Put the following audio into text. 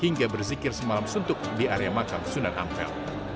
hingga berzikir semalam suntuk di area makam sunan ampel